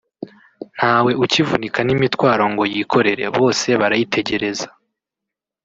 ntawe ukivunika n’imitwaro ngo yikorere bose barayitegereza